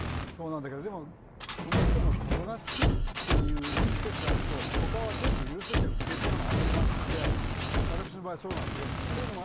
そうなんだけど、この人のここが好きっていうのが１つあると他は全部許せちゃうということもあり得ますので私の場合はそうなので。